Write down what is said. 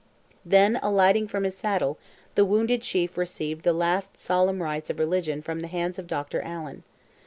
Then alighting from his saddle, the wounded chief received the last solemn rites of religion from the hands of Dr. Allen.